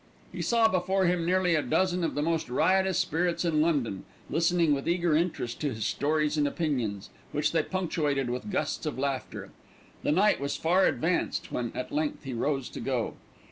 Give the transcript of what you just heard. He saw before him nearly a dozen of the most riotous spirits in London listening with eager interest to his stories and opinions, which they punctuated with gusts of laughter. The night was far advanced when at length he rose to go.